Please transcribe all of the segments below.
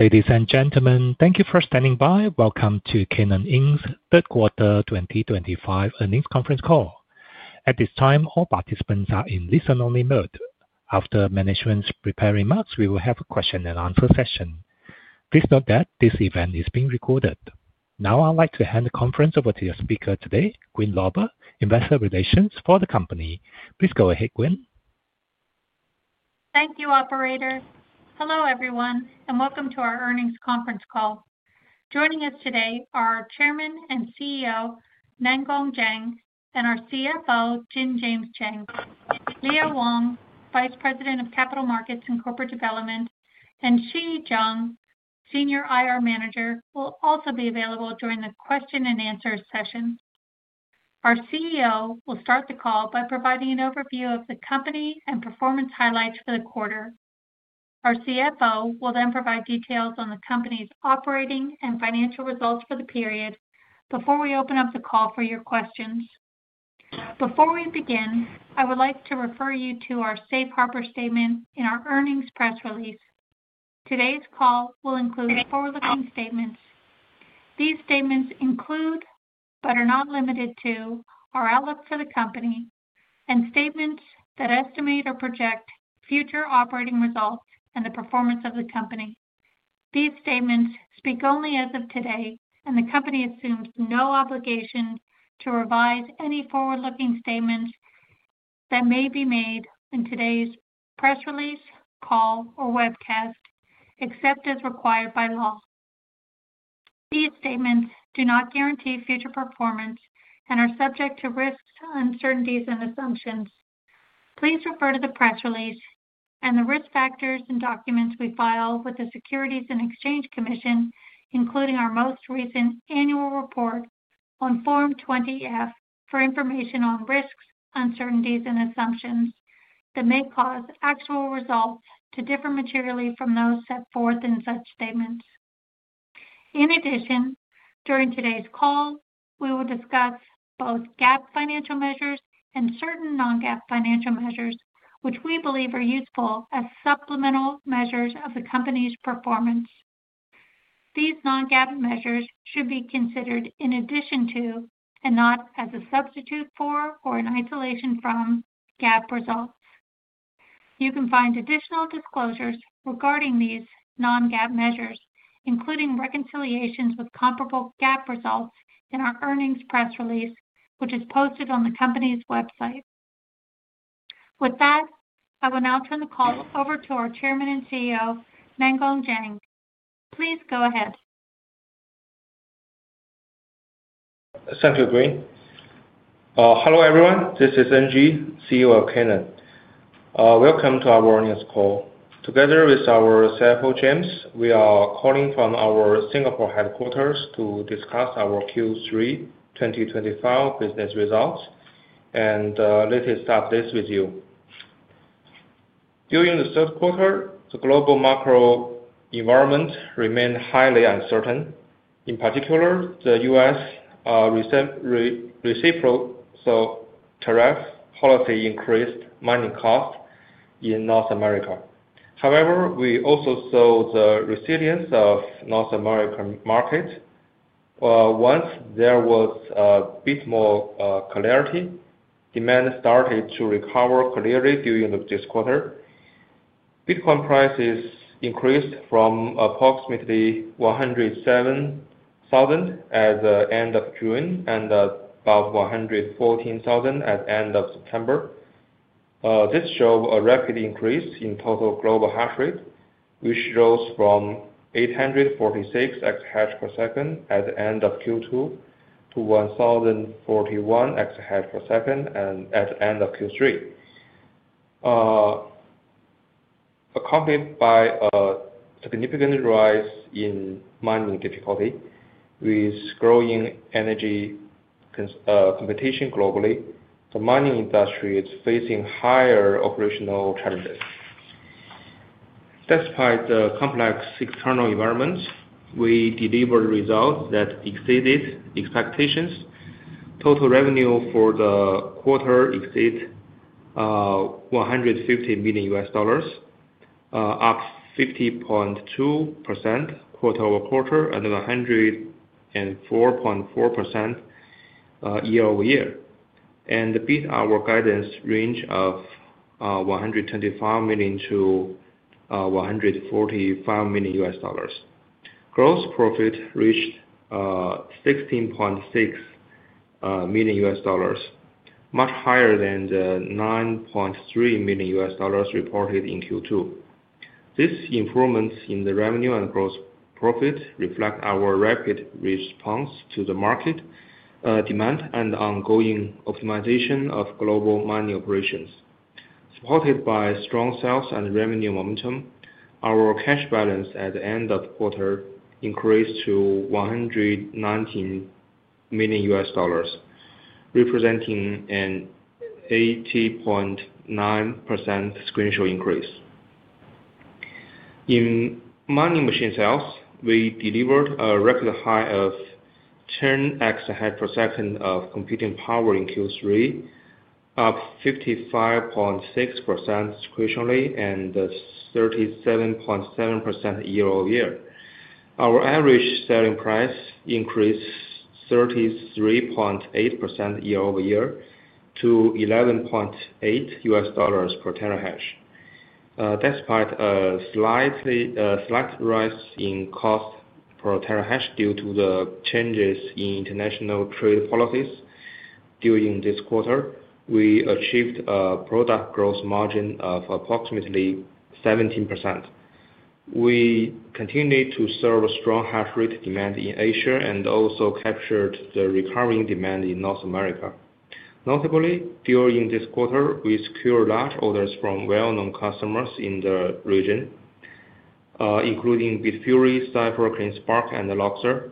Ladies and gentlemen, thank you for standing by. Welcome to Canaan Inc's Third Quarter 2025 Earnings Conference Call. At this time, all participants are in listen-only mode. After management's prepared remarks, we will have a question-and-answer session. Please note that this event is being recorded. Now, I'd like to hand the conference over to your speaker today, Gwyn Lauber, Investor Relations for the company. Please go ahead, Gwyn. Thank you, Operator. Hello, everyone, and welcome to our earnings conference call. Joining us today are Chairman and CEO Nangeng Zhang and our CFO, Jin James Cheng. Leo Wang, Vice President of Capital Markets and Corporate Development, and Xi Zhang, Senior IR Manager, will also be available during the question-and-answer session. Our CEO will start the call by providing an overview of the company and performance highlights for the quarter. Our CFO will then provide details on the company's operating and financial results for the period before we open up the call for your questions. Before we begin, I would like to refer you to our Safe Harbor Statement and our earnings press release. Today's call will include forward-looking statements. These statements include, but are not limited to, our outlook for the company and statements that estimate or project future operating results and the performance of the company. These statements speak only as of today, and the company assumes no obligation to revise any forward-looking statements that may be made in today's press release, call, or webcast, except as required by law. These statements do not guarantee future performance and are subject to risks, uncertainties, and assumptions. Please refer to the press release and the risk factors and documents we file with the Securities and Exchange Commission, including our most recent annual report on Form 20F, for information on risks, uncertainties, and assumptions that may cause actual results to differ materially from those set forth in such statements. In addition, during today's call, we will discuss both GAAP financial measures and certain non-GAAP financial measures, which we believe are useful as supplemental measures of the company's performance. These non-GAAP measures should be considered in addition to and not as a substitute for or in isolation from GAAP results. You can find additional disclosures regarding these non-GAAP measures, including reconciliations with comparable GAAP results, in our earnings press release, which is posted on the company's website. With that, I will now turn the call over to our Chairman and CEO, Nangeng Zhang. Please go ahead. Thank you, Gwyn. Hello, everyone. This is Ng, CEO of Canaan. Welcome to our earnings call. Together with our CFO, James, we are calling from our Singapore headquarters to discuss our Q3 2025 business results, and let us start this with you. During the third quarter, the global macro environment remained highly uncertain. In particular, the U.S. reciprocal tariff policy increased mining costs in North America. However, we also saw the resilience of the North American market. Once there was a bit more clarity, demand started to recover clearly during this quarter. Bitcoin prices increased from approximately $107,000 at the end of June and about $114,000 at the end of September. This showed a rapid increase in total global hash rate, which rose from 846 exahash per second at the end of Q2 to 1,041 exahash per second at the end of Q3. Accompanied by a significant rise in mining difficulty with growing energy competition globally, the mining industry is facing higher operational challenges. Despite the complex external environment, we delivered results that exceeded expectations. Total revenue for the quarter exceeded $150 million, up 50.2% quarter over quarter and 104.4% year over year, and beat our guidance range of $125 million-$145 million. Gross profit reached $16.6 million, much higher than the $9.3 million reported in Q2. This improvement in the revenue and gross profit reflects our rapid response to the market demand and ongoing optimization of global mining operations. Supported by strong sales and revenue momentum, our cash balance at the end of the quarter increased to $119 million, representing an 80.9% increase. In mining machine sales, we delivered a record high of 10 exahash per second of computing power in Q3, up 55.6% sequential and 37.7% year over year. Our average selling price increased 33.8% year over year to $11.8 per terahash. Despite a slight rise in cost per terahash due to the changes in international trade policies during this quarter, we achieved a product gross margin of approximately 17%. We continued to serve a strong hash rate demand in Asia and also captured the recurring demand in North America. Notably, during this quarter, we secured large orders from well-known customers in the region, including Bitfury, CleanSpark, and Luxor.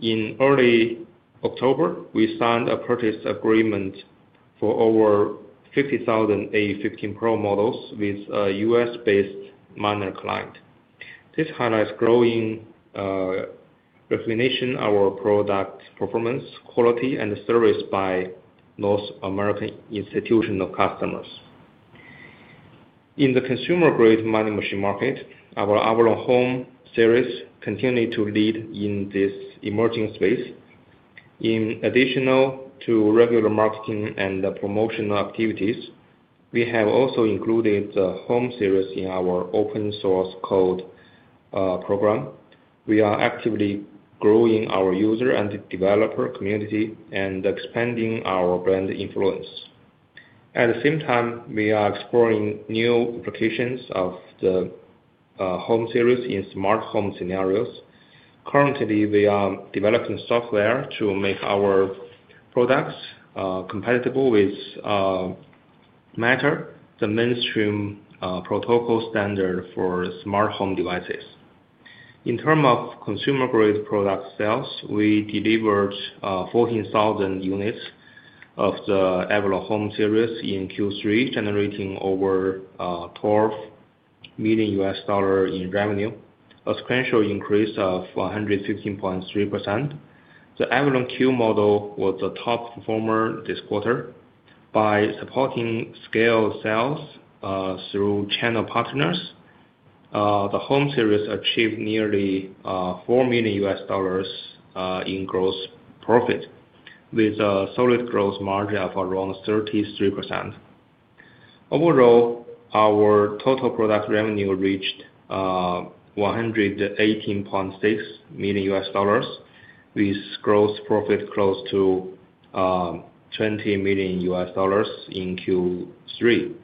In early October, we signed a purchase agreement for over 50,000 A15 Pro models with a U.S.-based miner client. This highlights growing recognition of our product performance, quality, and service by North American institutional customers. In the consumer-grade mining machine market, our Avalon Home series continued to lead in this emerging space. In addition to regular marketing and promotional activities, we have also included the Home series in our open-source code program. We are actively growing our user and developer community and expanding our brand influence. At the same time, we are exploring new applications of the Home series in smart home scenarios. Currently, we are developing software to make our products compatible with Matter, the mainstream protocol standard for smart home devices. In terms of consumer-grade product sales, we delivered 14,000 units of the Avalon Home series in Q3, generating over $12 million in revenue, a significant increase of 115.3%. The Avalon Q model was the top performer this quarter. By supporting scale sales through channel partners, the Home series achieved nearly $4 million. in gross profit with a solid gross margin of around 33%. Overall, our total product revenue reached $118.6 million, with gross profit close to $20 million in Q3.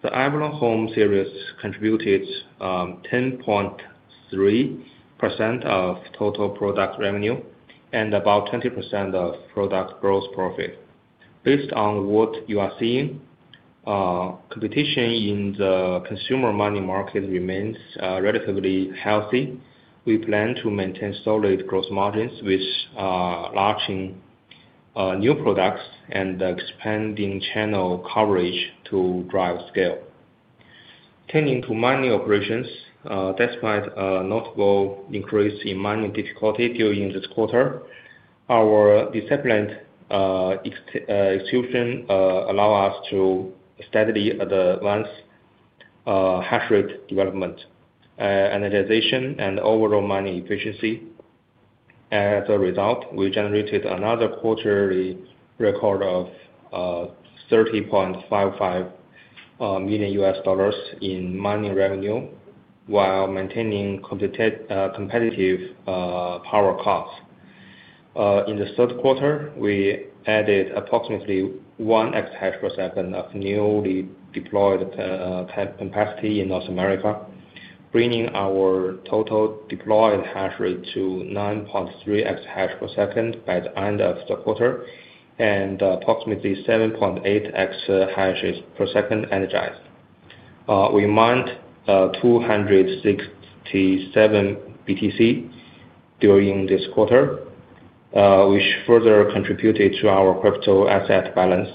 The Avalon Home Series contributed 10.3% of total product revenue and about 20% of product gross profit. Based on what you are seeing, competition in the consumer mining market remains relatively healthy. We plan to maintain solid gross margins with launching new products and expanding channel coverage to drive scale. Turning to mining operations, despite a notable increase in mining difficulty during this quarter, our disciplined execution allowed us to steadily advance hash rate development, analyzation, and overall mining efficiency. As a result, we generated another quarterly record of $30.55 million in mining revenue while maintaining competitive power costs. In the third quarter, we added approximately 1 exahash per second of newly deployed capacity in North America, bringing our total deployed hash rate to 9.3 exahash per second by the end of the quarter and approximately 7.8 exahash per second analyzed. We mined 267 BTC during this quarter, which further contributed to our crypto asset balance.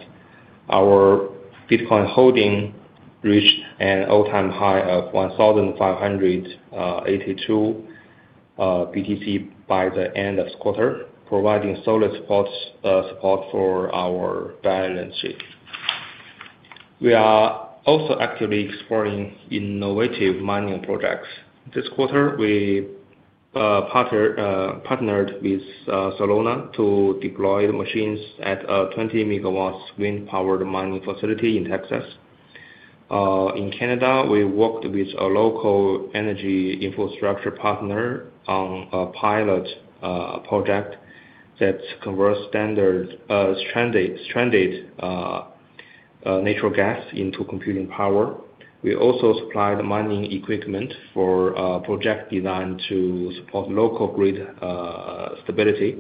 Our Bitcoin holding reached an all-time high of 1,582 BTC by the end of the quarter, providing solid support for our balance sheet. We are also actively exploring innovative mining projects. This quarter, we partnered with Soluna to deploy the machines at a 20-MW wind-powered mining facility in Texas. In Canada, we worked with a local energy infrastructure partner on a pilot project that converts stranded natural gas into computing power. We also supplied mining equipment for a project designed to support local grid stability.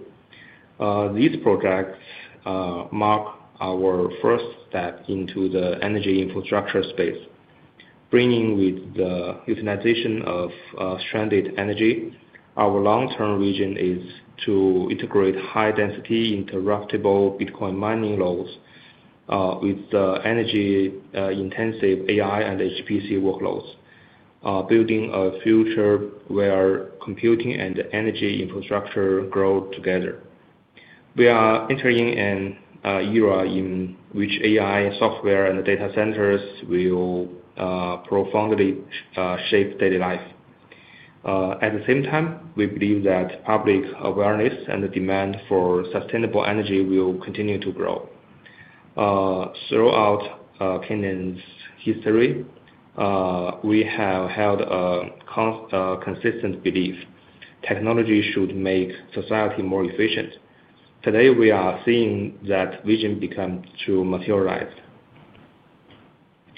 These projects mark our first step into the energy infrastructure space. Bringing with the utilization of stranded energy, our long-term vision is to integrate high-density interruptible Bitcoin mining loads with the energy-intensive AI and HPC workloads, building a future where computing and energy infrastructure grow together. We are entering an era in which AI software and data centers will profoundly shape daily life. At the same time, we believe that public awareness and the demand for sustainable energy will continue to grow. Throughout Canaan's history, we have held a consistent belief: technology should make society more efficient. Today, we are seeing that vision become materialized.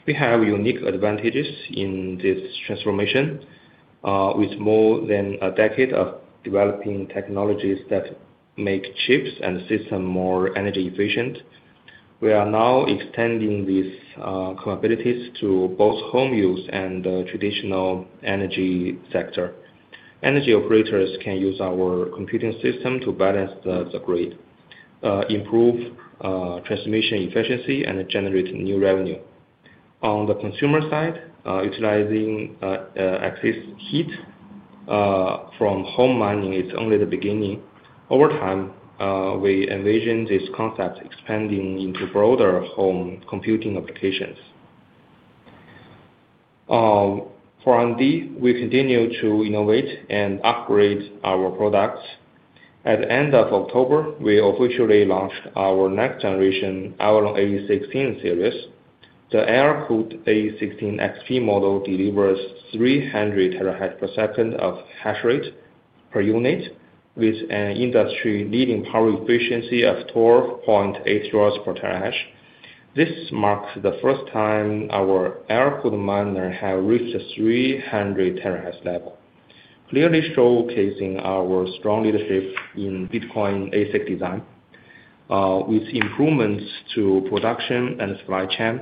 We have unique advantages in this transformation. With more than a decade of developing technologies that make chips and systems more energy efficient, we are now extending these capabilities to both home use and the traditional energy sector. Energy operators can use our computing system to balance the grid, improve transmission efficiency, and generate new revenue. On the consumer side, utilizing excess heat from home mining is only the beginning. Over time, we envision this concept expanding into broader home computing applications. For R&D, we continue to innovate and upgrade our products. At the end of October, we officially launched our next generation Avalon A16 Series. The air-cooled Avalon A16 XP model delivers 300 terahash per second of hash rate per unit, with an industry-leading power efficiency of 12.8 joules per terahash. This marks the first time our air-cooled miner has reached the 300 terahash level, clearly showcasing our strong leadership in Bitcoin ASIC design. With improvements to production and supply chain,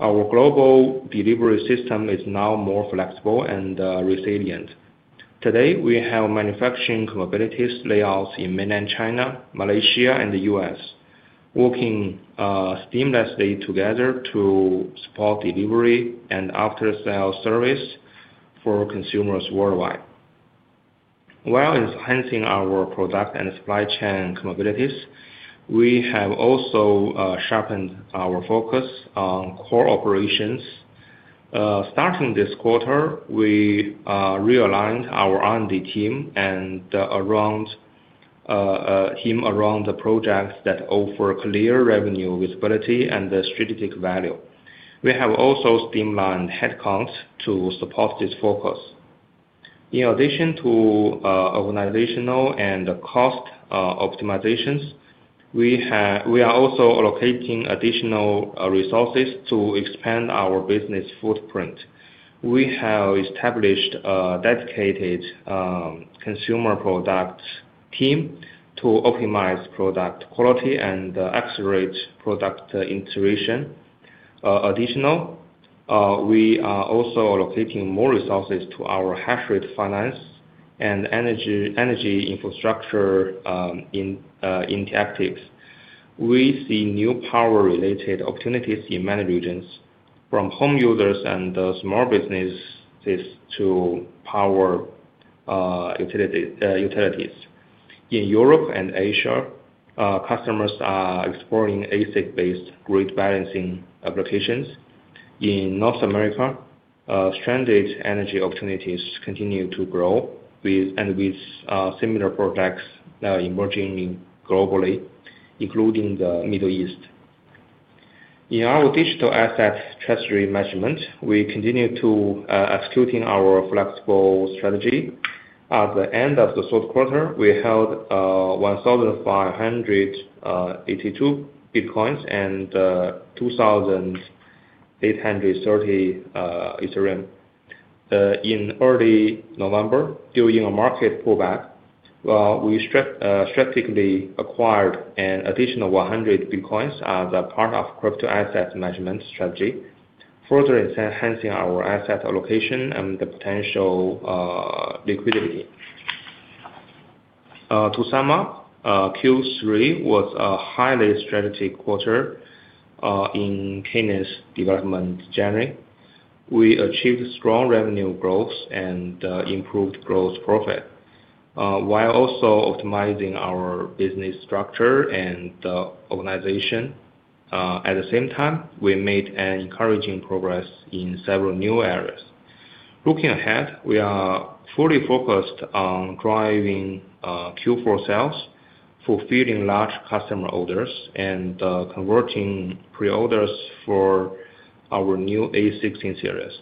our global delivery system is now more flexible and resilient. Today, we have manufacturing capabilities layouts in mainland China, Malaysia, and the U.S., working seamlessly together to support delivery and after-sales service for consumers worldwide. While enhancing our product and supply chain capabilities, we have also sharpened our focus on core operations. Starting this quarter, we realigned our R&D team and team around the projects that offer clear revenue visibility and strategic value. We have also streamlined headcount to support this focus. In addition to organizational and cost optimizations, we are also allocating additional resources to expand our business footprint. We have established a dedicated consumer product team to optimize product quality and accelerate product integration. Additionally, we are also allocating more resources to our hash rate finance and energy infrastructure in interactives. We see new power-related opportunities in many regions, from home users and small businesses to power utilities. In Europe and Asia, customers are exploring ASIC-based grid balancing applications. In North America, stranded energy opportunities continue to grow, with similar projects emerging globally, including the Middle East. In our digital asset treasury management, we continue to execute our flexible strategy. At the end of the third quarter, we held 1,582 Bitcoin and 2,830 Ethereum. In early November, during a market pullback, we strategically acquired an additional 100 Bitcoin as a part of crypto asset management strategy, further enhancing our asset allocation and the potential liquidity. To sum up, Q3 was a highly strategic quarter in Canaan's development journey. We achieved strong revenue growth and improved gross profit, while also optimizing our business structure and organization. At the same time, we made encouraging progress in several new areas. Looking ahead, we are fully focused on driving Q4 sales, fulfilling large customer orders, and converting pre-orders for our new A16 series.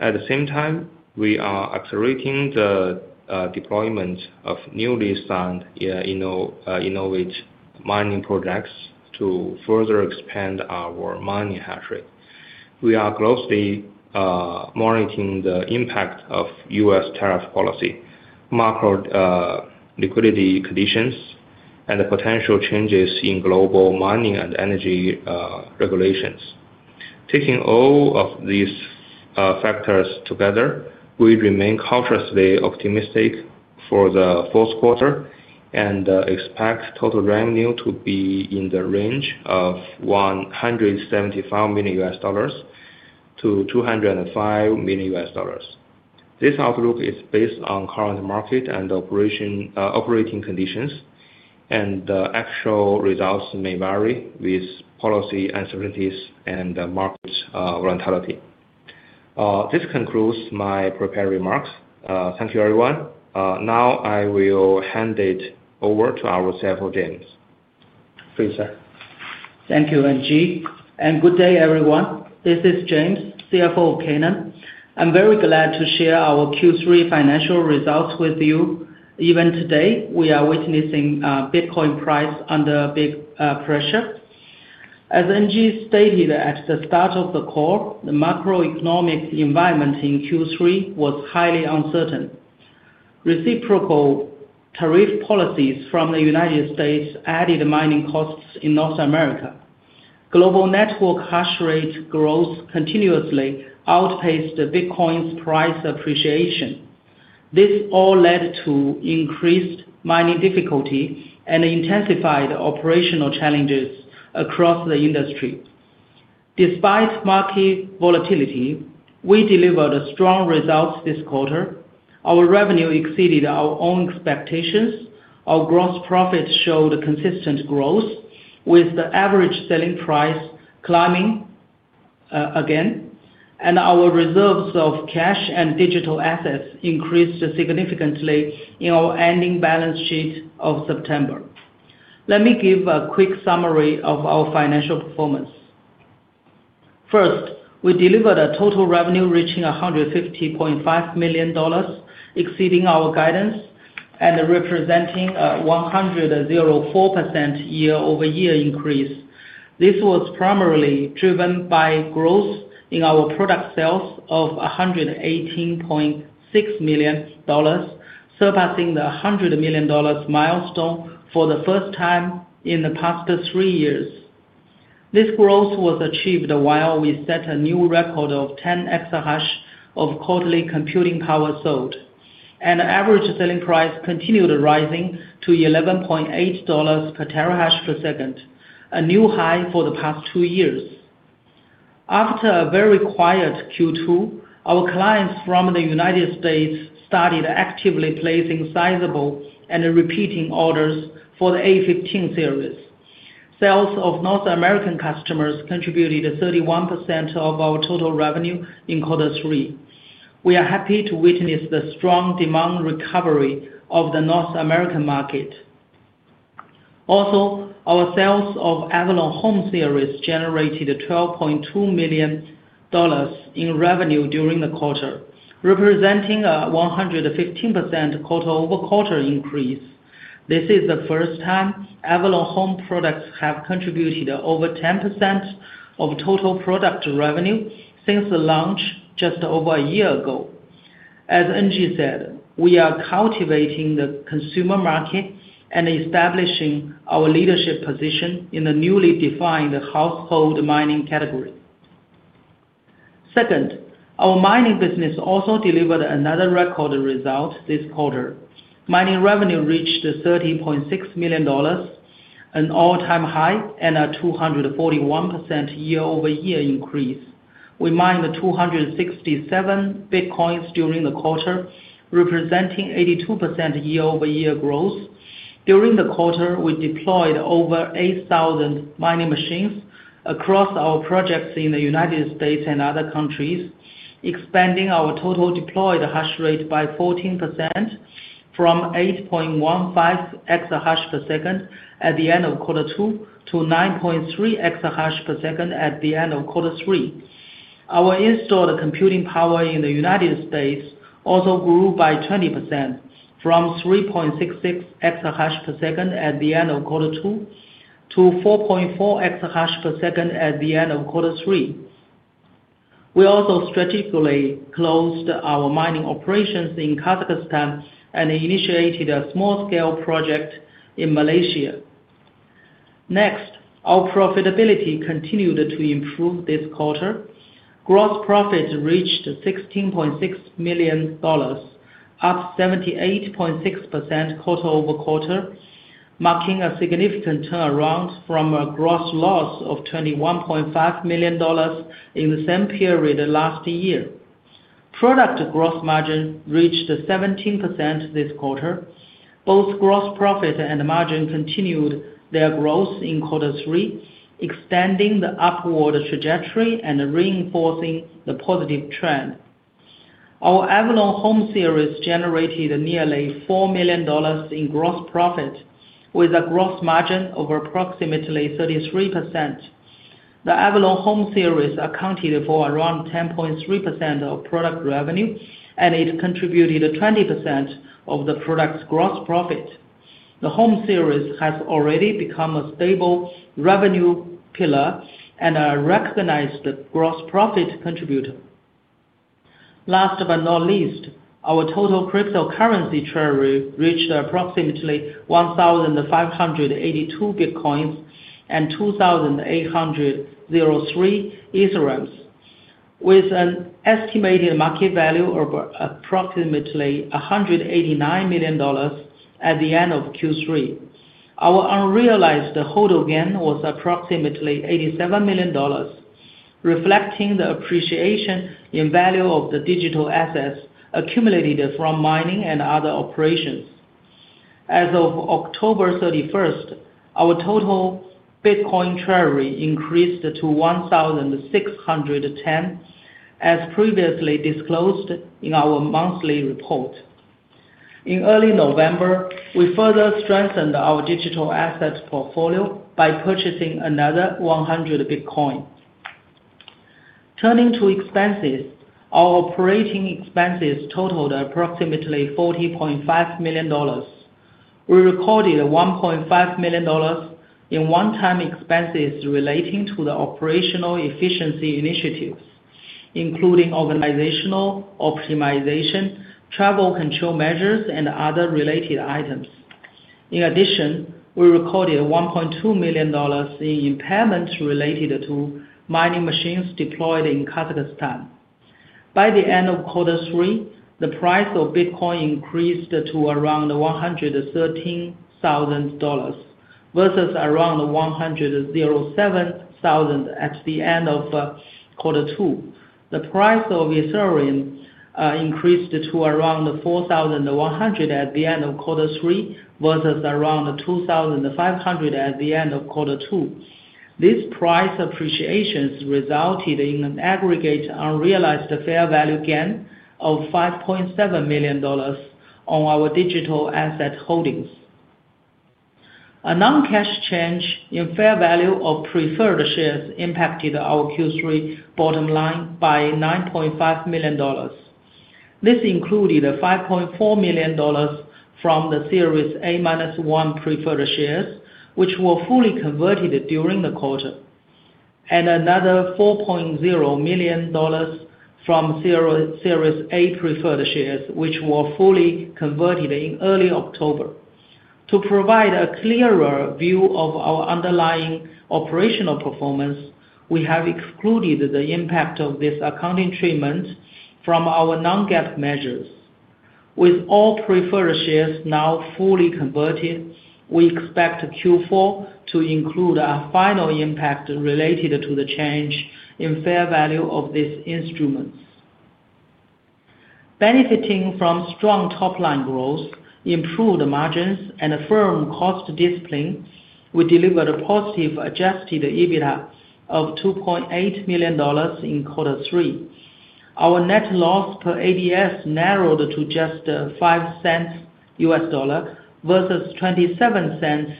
At the same time, we are accelerating the deployment of newly signed Innovate mining projects to further expand our mining hash rate. We are closely monitoring the impact of U.S. tariff policy, macro liquidity conditions, and the potential changes in global mining and energy regulations. Taking all of these factors together, we remain cautiously optimistic for the fourth quarter and expect total revenue to be in the range of $175 million-$205 million. This outlook is based on current market and operating conditions, and the actual results may vary with policy uncertainties and market volatility. This concludes my prepared remarks. Thank you, everyone. Now, I will hand it over to our CFO, James. Please, sir. Thank you, NG. And good day, everyone. This is James, CFO of Canaan. I'm very glad to share our Q3 financial results with you. Even today, we are witnessing Bitcoin price under big pressure. As Ng stated at the start of the call, the macroeconomic environment in Q3 was highly uncertain. Reciprocal tariff policies from the U.S. added mining costs in North America. Global network hash rate growth continuously outpaced Bitcoin's price appreciation. This all led to increased mining difficulty and intensified operational challenges across the industry. Despite market volatility, we delivered strong results this quarter. Our revenue exceeded our own expectations. Our gross profit showed consistent growth, with the average selling price climbing again, and our reserves of cash and digital assets increased significantly in our ending balance sheet of September. Let me give a quick summary of our financial performance. First, we delivered a total revenue reaching $150.5 million, exceeding our guidance and representing a 104% year-over-year increase. This was primarily driven by growth in our product sales of $118.6 million, surpassing the $100 million milestone for the first time in the past three years. This growth was achieved while we set a new record of 10 exahash of quarterly computing power sold, and the average selling price continued rising to $11.8 per terahash per second, a new high for the past two years. After a very quiet Q2, our clients from the U.S. started actively placing sizable and repeating orders for the A15 series. Sales of North American customers contributed 31% of our total revenue in quarter three. We are happy to witness the strong demand recovery of the North American market. Also, our sales of Avalon Home Series generated $12.2 million in revenue during the quarter, representing a 115% quarter-over-quarter increase. This is the first time Avalon Home products have contributed over 10% of total product revenue since the launch just over a year ago. As Ng said, we are cultivating the consumer market and establishing our leadership position in the newly defined household mining category. Second, our mining business also delivered another record result this quarter. Mining revenue reached $30.6 million, an all-time high, and a 241% year-over-year increase. We mined 267 Bitcoin during the quarter, representing 82% year-over-year growth. During the quarter, we deployed over 8,000 mining machines across our projects in the United States and other countries, expanding our total deployed hash rate by 14% from 8.15 exahash per second at the end of quarter two to 9.3 exahash per second at the end of quarter three. Our installed computing power in the United States also grew by 20% from 3.66 exahash per second at the end of quarter two to 4.4 exahash per second at the end of quarter three. We also strategically closed our mining operations in Kazakhstan and initiated a small-scale project in Malaysia. Next, our profitability continued to improve this quarter. Gross profit reached $16.6 million, up 78.6% quarter-over-quarter, marking a significant turnaround from a gross loss of $21.5 million in the same period last year. Product gross margin reached 17% this quarter. Both gross profit and margin continued their growth in quarter three, extending the upward trajectory and reinforcing the positive trend. Our Avalon Home Series generated nearly $4 million in gross profit, with a gross margin of approximately 33%. The Avalon Home Series accounted for around 10.3% of product revenue, and it contributed 20% of the product's gross profit. The Home Series has already become a stable revenue pillar and a recognized gross profit contributor. Last but not least, our total cryptocurrency treasury reached approximately 1,582 Bitcoin and 2,803 Ethereum, with an estimated market value of approximately $189 million at the end of Q3. Our unrealized holdover gain was approximately $87 million, reflecting the appreciation in value of the digital assets accumulated from mining and other operations. As of October 31st, our total Bitcoin treasury increased to 1,610, as previously disclosed in our monthly report. In early November, we further strengthened our digital asset portfolio by purchasing another 100 Bitcoin. Turning to expenses, our operating expenses totaled approximately $40.5 million. We recorded $1.5 million in one-time expenses relating to the operational efficiency initiatives, including organizational optimization, travel control measures, and other related items. In addition, we recorded $1.2 million in impairments related to mining machines deployed in Kazakhstan. By the end of quarter three, the price of Bitcoin increased to around $113,000 versus around $107,000 at the end of quarter two. The price of Ethereum increased to around $4,100 at the end of quarter three versus around $2,500 at the end of quarter two. These price appreciations resulted in an aggregate unrealized fair value gain of $5.7 million on our digital asset holdings. A non-cash change in fair value of preferred shares impacted our Q3 bottom line by $9.5 million. This included $5.4 million from the Series A minus one preferred shares, which were fully converted during the quarter, and another $4.0 million from Series A preferred shares, which were fully converted in early October. To provide a clearer view of our underlying operational performance, we have excluded the impact of this accounting treatment from our non-GAAP measures. With all preferred shares now fully converted, we expect Q4 to include a final impact related to the change in fair value of these instruments. Benefiting from strong top-line growth, improved margins, and firm cost discipline, we delivered a positive adjusted EBITDA of $2.8 million in quarter three. Our net loss per ADS narrowed to just $0.05 U.S. versus $0.27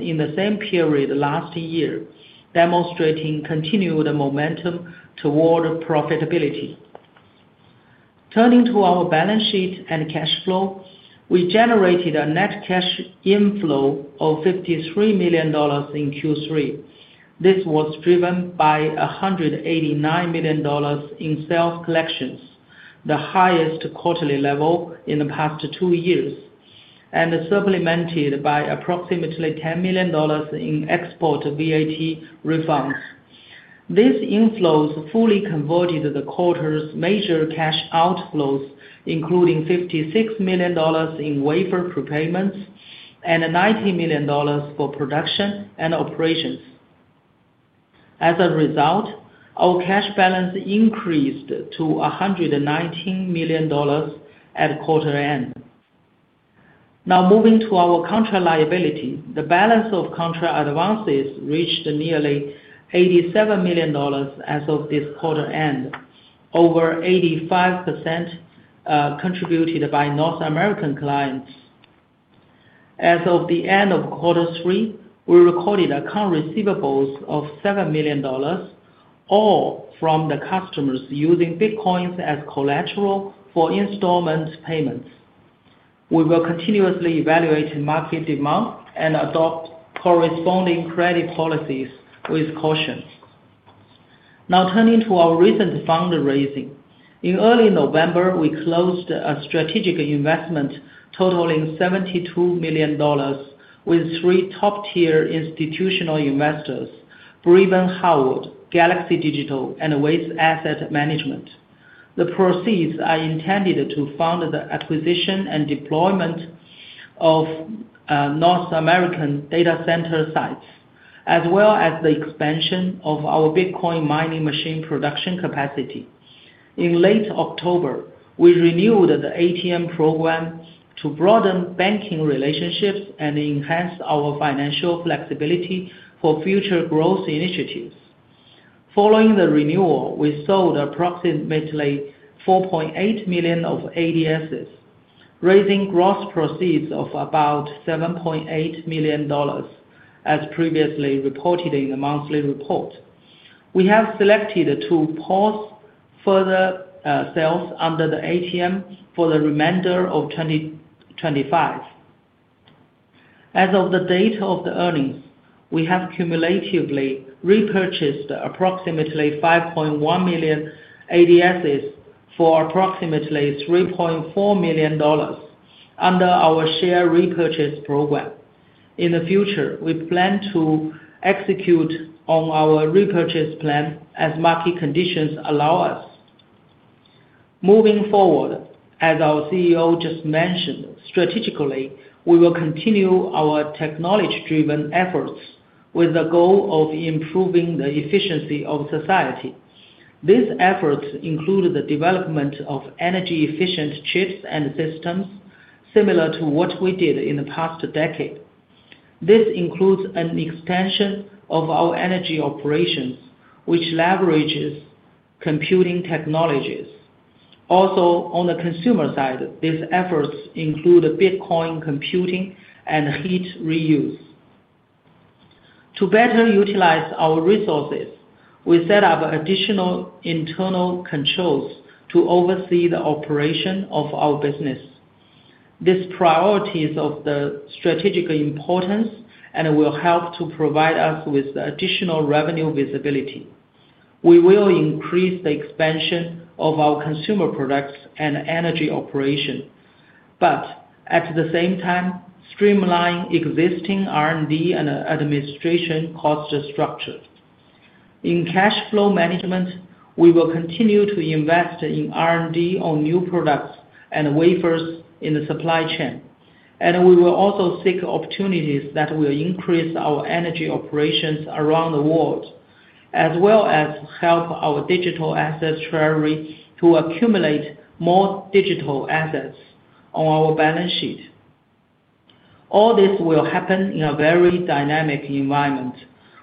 in the same period last year, demonstrating continued momentum toward profitability. Turning to our balance sheet and cash flow, we generated a net cash inflow of $53 million in Q3. This was driven by $189 million in sales collections, the highest quarterly level in the past two years, and supplemented by approximately $10 million in export VAT refunds. These inflows fully converted the quarter's major cash outflows, including $56 million in waiver prepayments and $90 million for production and operations. As a result, our cash balance increased to $119 million at quarter end. Now, moving to our contract liability, the balance of contract advances reached nearly $87 million as of this quarter end, over 85% contributed by North American clients. As of the end of quarter three, we recorded account receivables of $7 million, all from the customers using Bitcoin as collateral for installment payments. We will continuously evaluate market demand and adopt corresponding credit policies with caution. Now, turning to our recent fundraising. In early November, we closed a strategic investment totaling $72 million with three top-tier institutional investors: Brevan Howard, Galaxy Digital, and Ways Asset Management. The proceeds are intended to fund the acquisition and deployment of North American data center sites, as well as the expansion of our Bitcoin mining machine production capacity. In late October, we renewed the ATM program to broaden banking relationships and enhance our financial flexibility for future growth initiatives. Following the renewal, we sold approximately 4.8 million ADSs, raising gross proceeds of about $7.8 million, as previously reported in the monthly report. We have selected to pause further sales under the ATM for the remainder of 2025. As of the date of the earnings, we have cumulatively repurchased approximately 5.1 million ADSs for approximately $3.4 million under our share repurchase program. In the future, we plan to execute on our repurchase plan as market conditions allow us. Moving forward, as our CEO just mentioned, strategically, we will continue our technology-driven efforts with the goal of improving the efficiency of society. These efforts include the development of energy-efficient chips and systems similar to what we did in the past decade. This includes an extension of our energy operations, which leverages computing technologies. Also, on the consumer side, these efforts include Bitcoin computing and heat reuse. To better utilize our resources, we set up additional internal controls to oversee the operation of our business. These priorities of the strategic importance and will help to provide us with additional revenue visibility. We will increase the expansion of our consumer products and energy operation, but at the same time, streamline existing R&D and administration cost structure. In cash flow management, we will continue to invest in R&D on new products and waivers in the supply chain, and we will also seek opportunities that will increase our energy operations around the world, as well as help our digital asset treasury to accumulate more digital assets on our balance sheet. All this will happen in a very dynamic environment.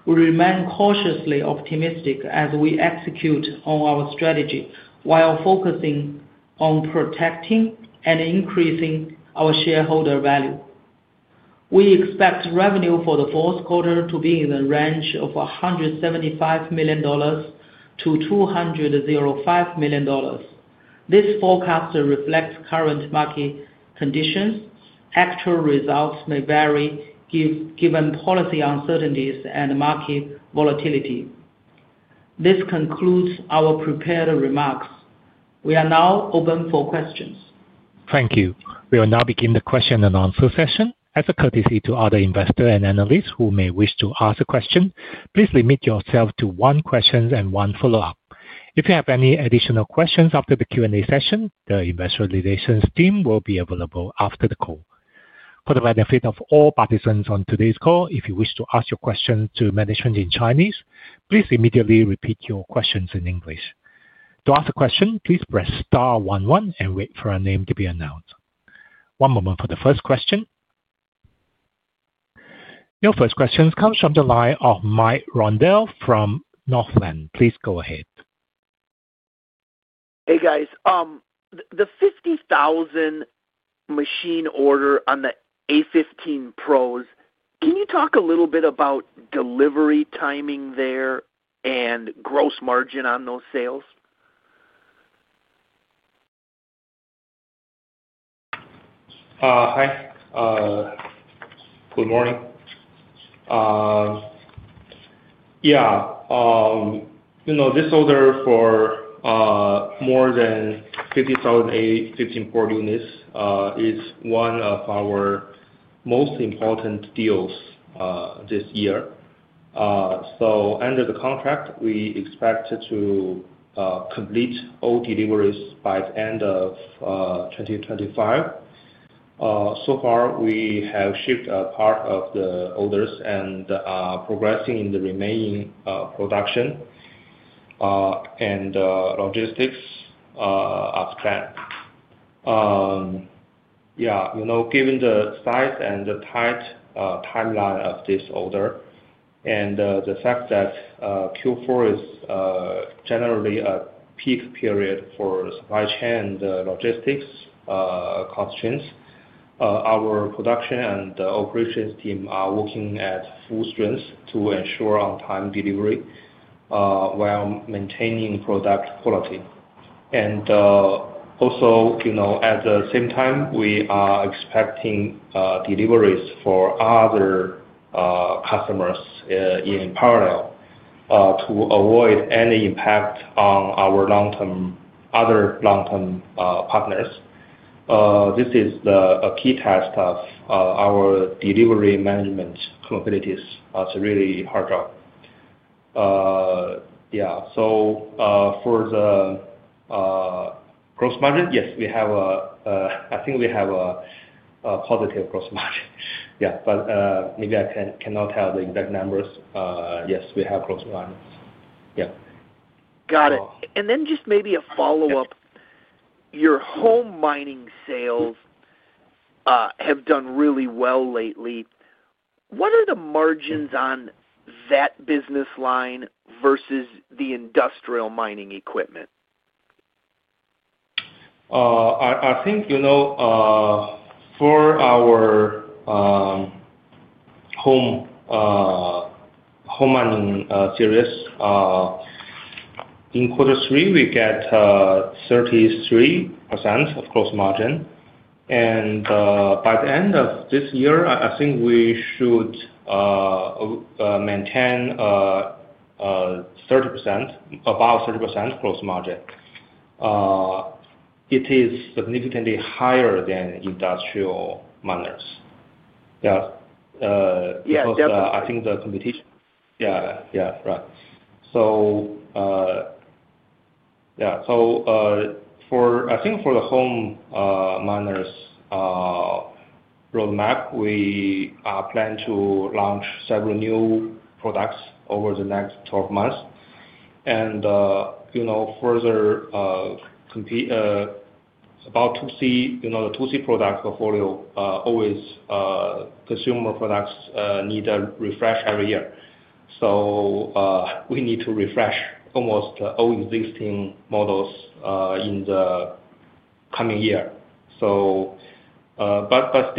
We remain cautiously optimistic as we execute on our strategy while focusing on protecting and increasing our shareholder value. We expect revenue for the fourth quarter to be in the range of $175 million-$205 million. This forecast reflects current market conditions. Actual results may vary given policy uncertainties and market volatility. This concludes our prepared remarks. We are now open for questions. Thank you. We will now begin the question and answer session. As a courtesy to other investors and analysts who may wish to ask a question, please limit yourself to one question and one follow-up. If you have any additional questions after the Q&A session, the investor relations team will be available after the call. For the benefit of all participants on today's call, if you wish to ask your question to management in Chinese, please immediately repeat your questions in English. To ask a question, please press star one one and wait for a name to be announced. One moment for the first question. Your first question comes from the line of Mike Grondahl from Northland. Please go ahead. Hey, guys. The 50,000 machine order on the A15 Pros, can you talk a little bit about delivery timing there and gross margin on those sales? Hi. Good morning. Yeah. This order for more than 50,000 A15 Pro units is one of our most important deals this year. Under the contract, we expect to complete all deliveries by the end of 2025. So far, we have shipped a part of the orders and progressing in the remaining production and logistics upfront. Yeah. Given the size and the tight timeline of this order and the fact that Q4 is generally a peak period for supply chain and logistics constraints, our production and operations team are working at full strength to ensure on-time delivery while maintaining product quality. Also, at the same time, we are expecting deliveries for other customers in parallel to avoid any impact on our other long-term partners. This is a key task of our delivery management capabilities. It's a really hard job. Yeah. For the gross margin, yes, we have a, I think we have a positive gross margin. Yeah. Maybe I cannot tell the exact numbers. Yes, we have gross margins. Yeah. Got it. Just maybe a follow-up. Your home mining sales have done really well lately. What are the margins on that business line versus the industrial mining equipment? I think for our home mining series, in quarter three, we get 33% of gross margin. By the end of this year, I think we should maintain about 30% gross margin. It is significantly higher than industrial miners. Yeah. I think the competition. Yeah. Yeah. Right. I think for the home miners roadmap, we plan to launch several new products over the next 12 months. Further, about 2C, the 2C product portfolio, always consumer products need a refresh every year. We need to refresh almost all existing models in the coming year. Still, for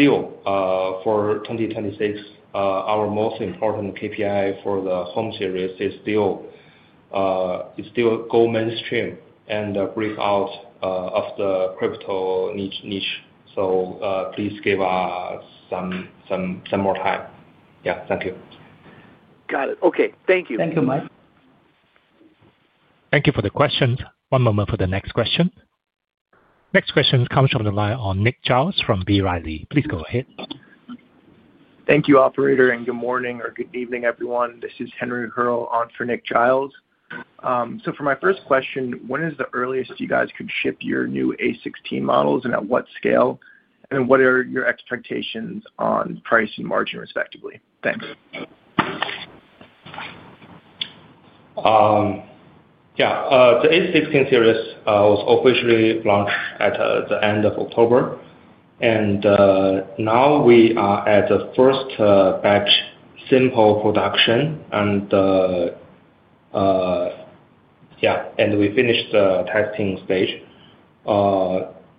2026, our most important KPI for the home series is still go mainstream and break out of the crypto niche. Please give us some more time. Yeah. Thank you. Got it. Okay. Thank you. Thank you, Mike. Thank you for the questions. One moment for the next question. Next question comes from the line on Nick Giles from B. Riley. Please go ahead. Thank you, operator. Good morning or good evening, everyone. This is Henry Hearle on for Nick Giles. For my first question, when is the earliest you guys could ship your new A16 models and at what scale? What are your expectations on price and margin, respectively? Thanks. Yeah. The A16 series was officially launched at the end of October. We are at the first batch sample production. Yeah. We finished the testing stage.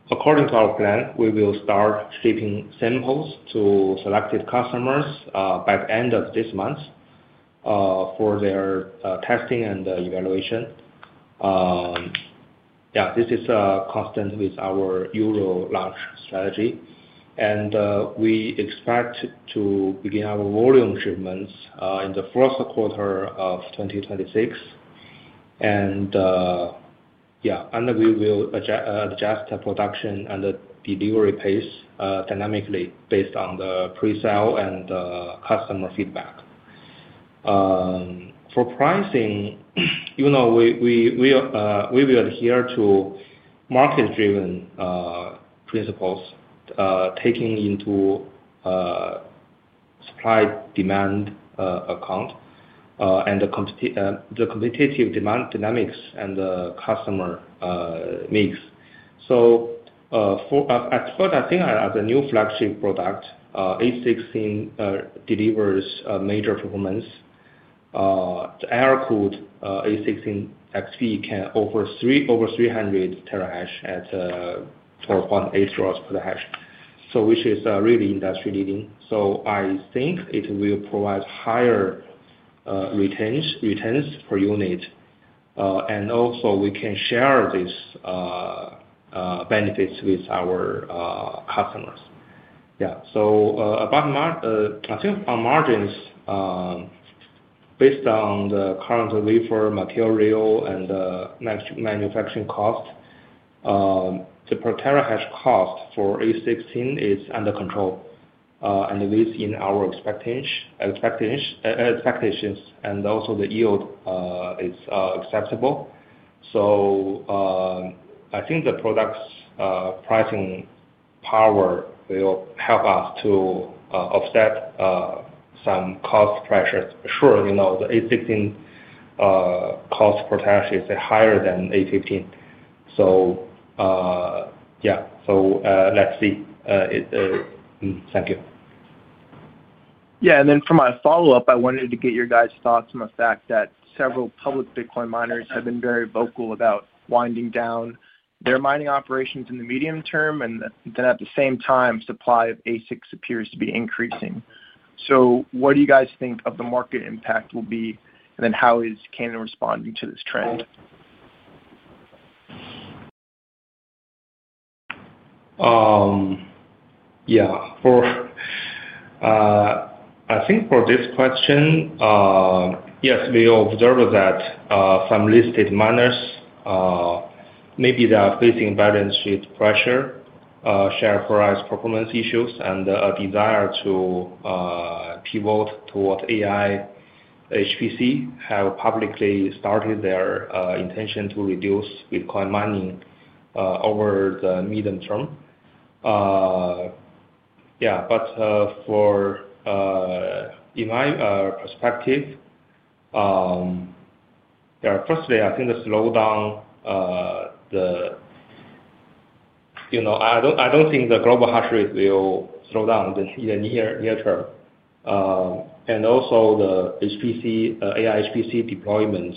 According to our plan, we will start shipping samples to selected customers by the end of this month for their testing and evaluation. Yeah. This is consistent with our Euro large strategy. We expect to begin our volume shipments in the first quarter of 2026. Yeah. We will adjust production and delivery pace dynamically based on the presale and customer feedback. For pricing, we will adhere to market-driven principles, taking into supply demand account and the competitive demand dynamics and the customer mix. At first, I think as a new flagship product, A16 delivers major performance. The air-cooled A16 XP can offer over 300 terahash at 12.8 joules per terahash, which is really industry-leading. I think it will provide higher returns per unit. Also, we can share these benefits with our customers. Yeah. I think our margins, based on the current wafer material and the manufacturing cost, the per terahash cost for A16 is under control and lives in our expectations. Also, the yield is acceptable. I think the product's pricing power will help us to offset some cost pressures. Sure. The A16 cost per hash is higher than A15. Yeah. Let's see. Thank you. Yeah. For my follow-up, I wanted to get your guys' thoughts on the fact that several public Bitcoin miners have been very vocal about winding down their mining operations in the medium term. At the same time, supply of ASICs appears to be increasing. What do you guys think the market impact will be? How is Canaan responding to this trend? Yeah. I think for this question, yes, we observe that some listed miners, maybe they are facing balance sheet pressure, share price performance issues, and a desire to pivot towards AI HPC, have publicly started their intention to reduce Bitcoin mining over the medium term. Yeah. From my perspective, firstly, I think the slowdown, I do not think the global hash rate will slow down in the near term. Also, the AI HPC deployment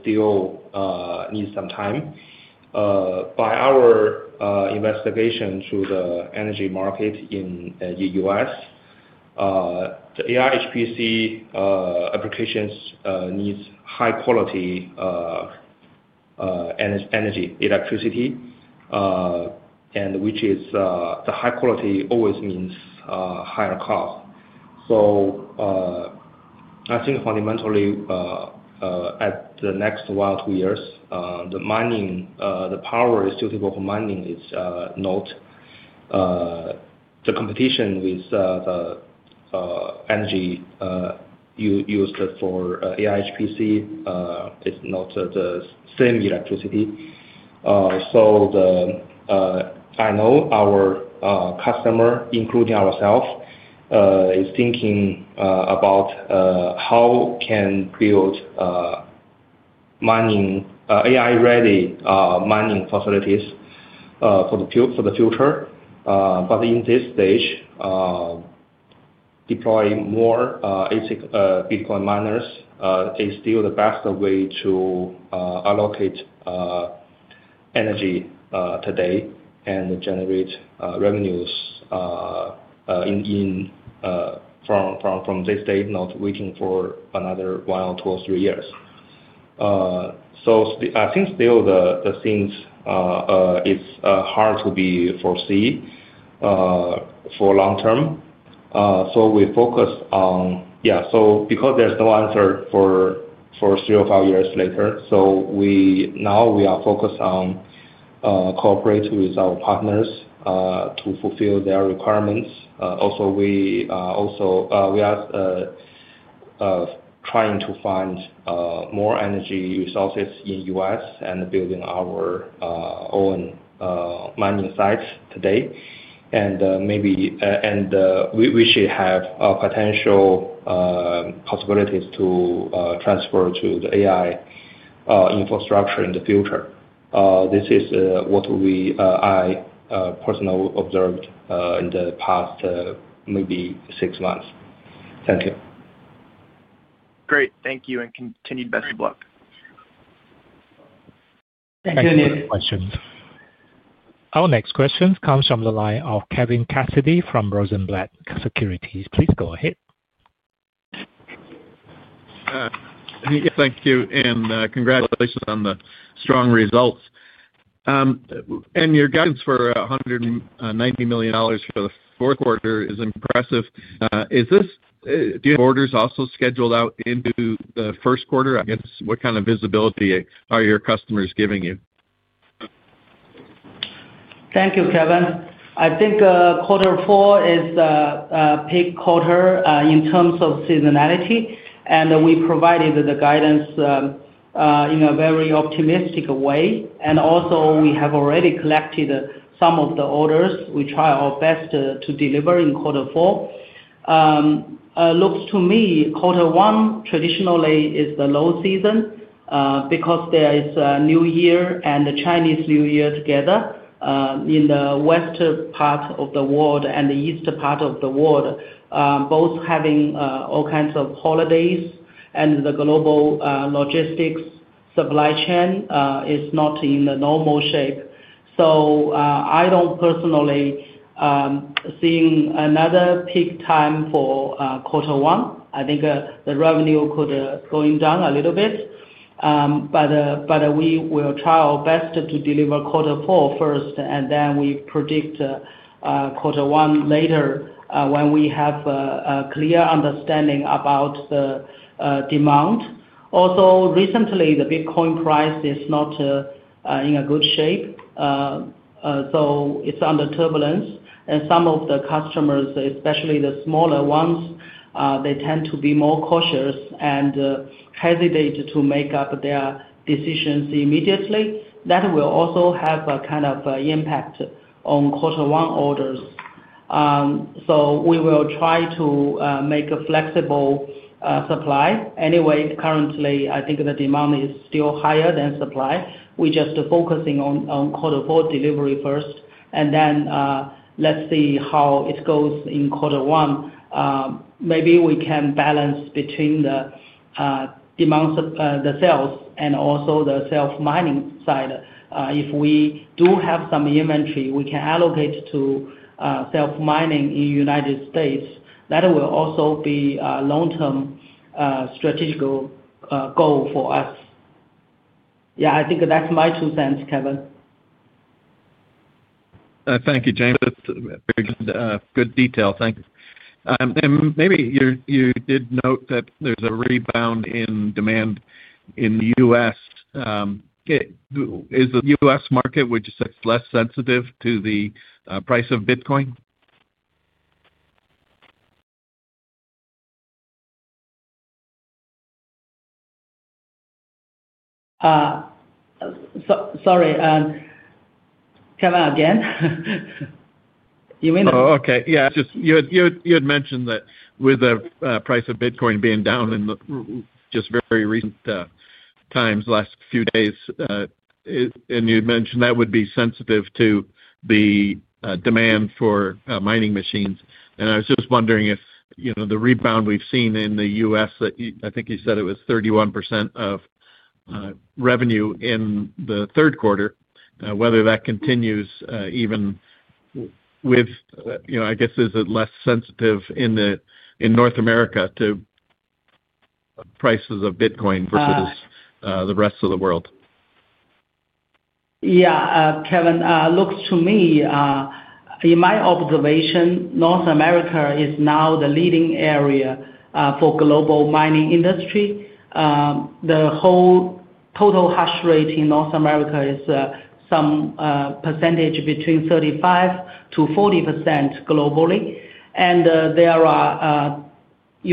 still needs some time. By our investigation into the energy market in the U.S., the AI HPC applications need high-quality energy, electricity, which is the high quality always means higher cost. I think fundamentally, in the next one or two years, the power that is suitable for mining is not. The competition with the energy used for AI HPC is not the same electricity. I know our customer, including ourselves, is thinking about how can build AI-ready mining facilities for the future. In this stage, deploying more Bitcoin miners is still the best way to allocate energy today and generate revenues from this date, not waiting for another one or two or three years. I think still the things is hard to be foresee for long term. We focus on, yeah. Because there is no answer for three or five years later, now we are focused on cooperating with our partners to fulfill their requirements. Also, we are trying to find more energy resources in the U.S. and building our own mining sites today. Maybe we should have potential possibilities to transfer to the AI infrastructure in the future. This is what I personally observed in the past maybe six months. Thank you. Great. Thank you. And continued best of luck. Thank you. Thank you for the questions. Our next question comes from the line of Kevin Cassidy from Rosenblatt Securities. Please go ahead. Thank you. And congratulations on the strong results. And your guidance for $190 million for the fourth quarter is impressive. Do you have orders also scheduled out into the first quarter? I guess what kind of visibility are your customers giving you? Thank you, Kevin. I think quarter four is a peak quarter in terms of seasonality. We provided the guidance in a very optimistic way. Also, we have already collected some of the orders. We try our best to deliver in quarter four. Looks to me, quarter one traditionally is the low season because there is New Year and the Chinese New Year together in the western part of the world and the eastern part of the world, both having all kinds of holidays. The global logistics supply chain is not in the normal shape. I do not personally see another peak time for quarter one. I think the revenue could go down a little bit. We will try our best to deliver quarter four first, and then we predict quarter one later when we have a clear understanding about the demand. Also, recently, the Bitcoin price is not in a good shape. It is under turbulence. Some of the customers, especially the smaller ones, they tend to be more cautious and hesitate to make up their decisions immediately. That will also have a kind of impact on quarter one orders. We will try to make a flexible supply. Anyway, currently, I think the demand is still higher than supply. We are just focusing on quarter four delivery first. Then let's see how it goes in quarter one. Maybe we can balance between the sales and also the self-mining side. If we do have some inventory, we can allocate to self-mining in the United States. That will also be a long-term strategical goal for us. Yeah. I think that's my two cents, Kevin. Thank you, James. That's very good detail. Thanks. Maybe you did note that there is a rebound in demand in the U.S. Is the U.S. market, would you say, less sensitive to the price of Bitcoin? Sorry. Can you come up again? You mean? Oh, okay. Yeah. You had mentioned that with the price of Bitcoin being down in just very recent times, last few days, and you'd mentioned that would be sensitive to the demand for mining machines. I was just wondering if the rebound we've seen in the U.S., I think you said it was 31% of revenue in the third quarter, whether that continues even with, I guess, is it less sensitive in North America to prices of Bitcoin versus the rest of the world? Yeah, Kevin. Looks to me, in my observation, North America is now the leading area for the global mining industry. The whole total hash rate in North America is some percentage between 35%-40% globally. There are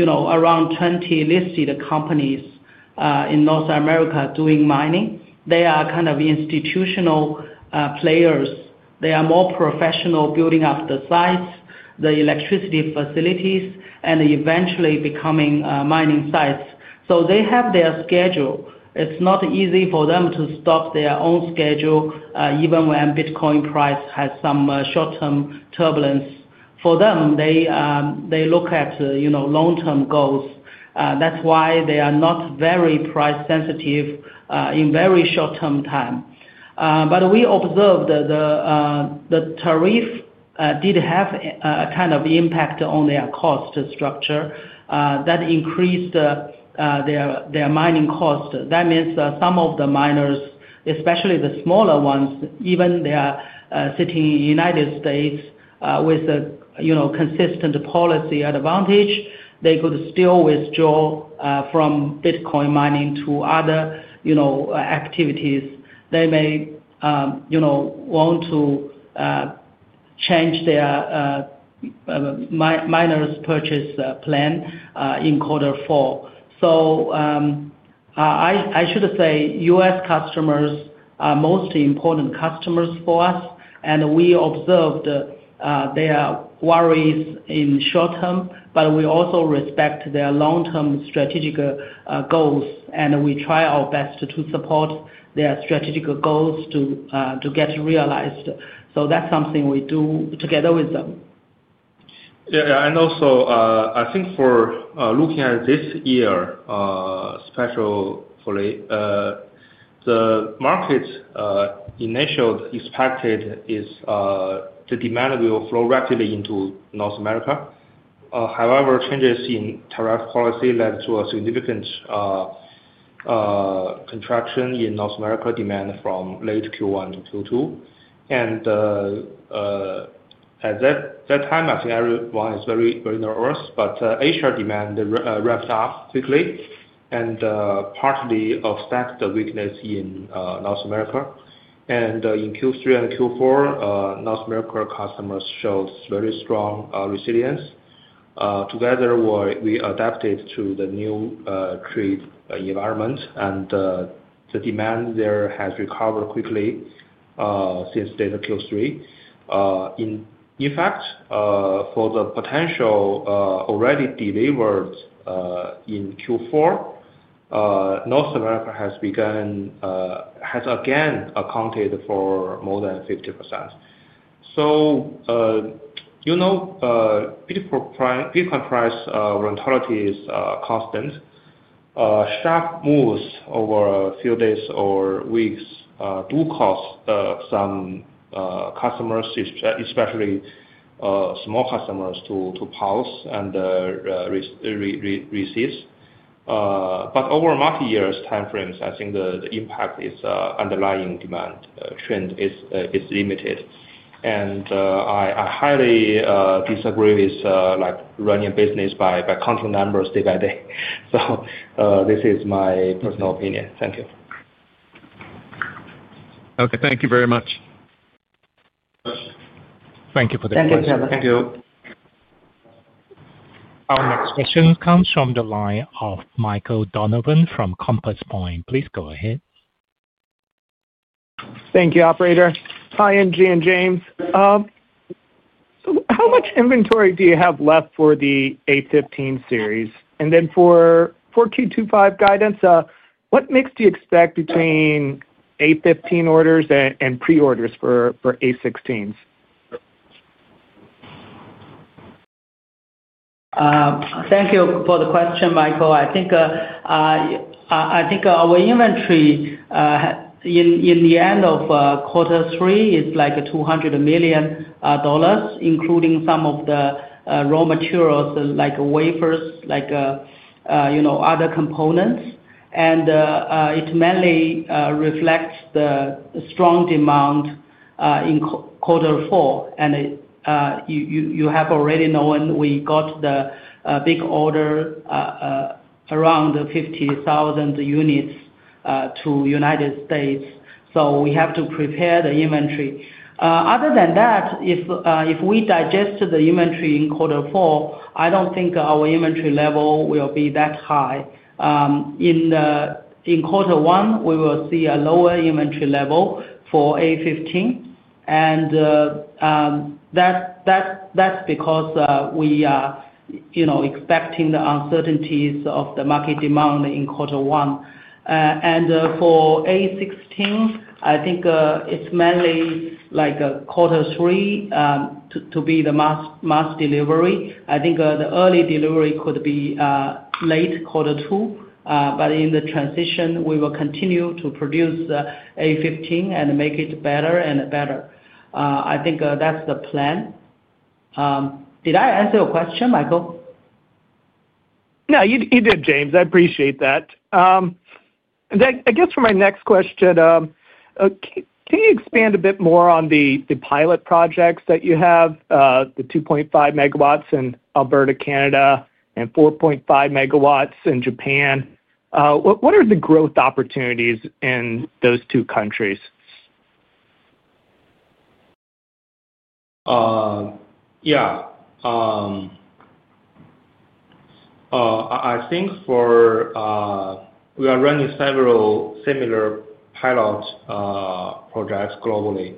around 20 listed companies in North America doing mining. They are kind of institutional players. They are more professional building up the sites, the electricity facilities, and eventually becoming mining sites. They have their schedule. It's not easy for them to stop their own schedule even when Bitcoin price has some short-term turbulence. For them, they look at long-term goals. That's why they are not very price-sensitive in very short-term time. We observed the tariff did have a kind of impact on their cost structure. That increased their mining cost. That means some of the miners, especially the smaller ones, even if they are sitting in the United States with a consistent policy advantage, they could still withdraw from Bitcoin mining to other activities. They may want to change their miners' purchase plan in quarter four. I should say U.S. customers are most important customers for us. We observed their worries in short term, but we also respect their long-term strategic goals. We try our best to support their strategic goals to get realized. That is something we do together with them. I think for looking at this year, especially for the market, initial expected is the demand will flow rapidly into North America. However, changes in tariff policy led to a significant contraction in North America demand from late Q1 to Q2. At that time, I think everyone is very nervous. HR demand revved up quickly and partly offset the weakness in North America. In Q3 and Q4, North America customers showed very strong resilience. Together, we adapted to the new trade environment, and the demand there has recovered quickly since Q3. In fact, for the potential already delivered in Q4, North America has again accounted for more than 50%. Bitcoin price volatility is constant. Sharp moves over a few days or weeks do cost some customers, especially small customers, to pause and receive. Over multi-year time frames, I think the impact is underlying demand trend is limited. I highly disagree with running a business by counting numbers day by day. This is my personal opinion. Thank you. Okay. Thank you very much. Thank you for the question. Thank you, Kevin. Thank you. Our next question comes from the line of Michael Donovan from Compass Point. Please go ahead. Thank you, operator. Hi, Ng and James. How much inventory do you have left for the A15 series? For Q2 2025 guidance, what mix do you expect between A15 orders and pre-orders for A16s? Thank you for the question, Michael. I think our inventory in the end of quarter three is like $200 million, including some of the raw materials like wafers, like other components. It mainly reflects the strong demand in quarter four. You have already known we got the big order around 50,000 units to the United States. We have to prepare the inventory. Other than that, if we digest the inventory in quarter four, I do not think our inventory level will be that high. In quarter one, we will see a lower inventory level for A15. That is because we are expecting the uncertainties of the market demand in quarter one. For A16, I think it is mainly like quarter three to be the mass delivery. I think the early delivery could be late quarter two. In the transition, we will continue to produce A15 and make it better and better. I think that's the plan. Did I answer your question, Michael? Yeah, you did, James. I appreciate that. I guess for my next question, can you expand a bit more on the pilot projects that you have, the 2.5 MW in Alberta, Canada, and 4.5 MW in Japan? What are the growth opportunities in those two countries? Yeah. I think we are running several similar pilot projects globally.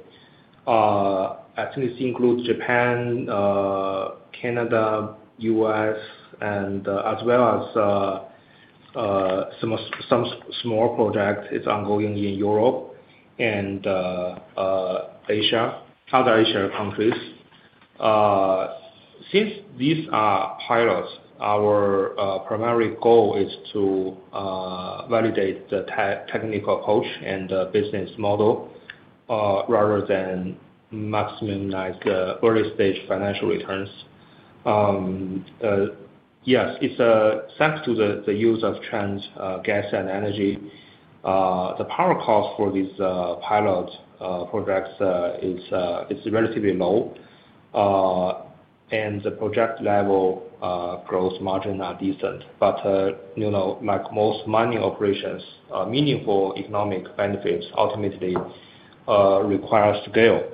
I think this includes Japan, Canada, U.S., as well as some small projects ongoing in Europe and other Asia countries. Since these are pilots, our primary goal is to validate the technical approach and the business model rather than maximize the early-stage financial returns. Yes, it's thanks to the use of trans gas and energy. The power cost for these pilot projects is relatively low, and the project-level growth margins are decent. Like most mining operations, meaningful economic benefits ultimately require scale.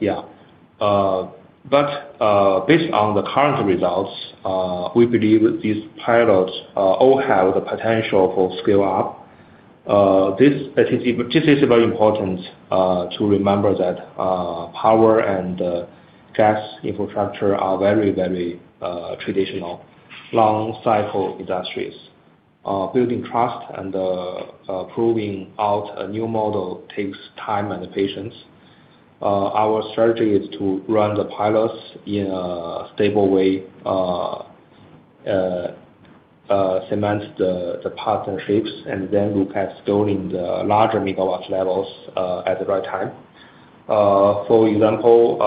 Yeah. Based on the current results, we believe these pilots all have the potential for scale-up. This is very important to remember that power and gas infrastructure are very, very traditional, long-cycle industries. Building trust and proving out a new model takes time and patience. Our strategy is to run the pilots in a stable way, cement the partnerships, and then look at scaling the larger megawatt levels at the right time. For example,